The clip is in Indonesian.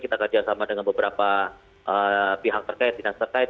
kita kerjasama dengan beberapa pihak terkait dinas terkait